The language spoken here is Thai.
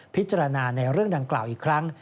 พิจารณาในเรื่องดังกล่าวอีกครั้ง